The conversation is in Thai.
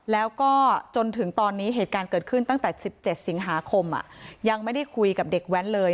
แล้วก็จนถึงตอนนี้เหตุการณ์เกิดขึ้นตั้งแต่๑๗สิงหาคมยังไม่ได้คุยกับเด็กแว้นเลย